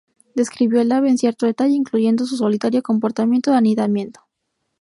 Describió el ave en cierto detalle, incluyendo su solitario comportamiento de anidamiento.